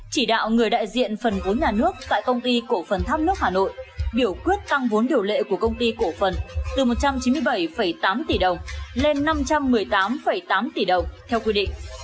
chỉ đạo người đại diện phần vốn nhà nước tại công ty cổ phần tháp nước hà nội biểu quyết tăng vốn điều lệ của công ty cổ phần từ một trăm chín mươi bảy tám tỷ đồng lên năm trăm một mươi tám tám tỷ đồng theo quy định